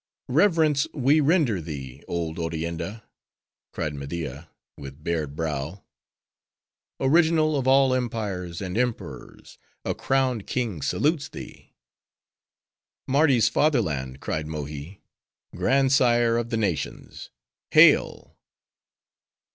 "Reverence we render thee, Old Orienda!" cried Media, with bared brow, "Original of all empires and emperors!—a crowned king salutes thee!" "Mardi's father land!" cried Mohi, "grandsire of the nations,—hail!"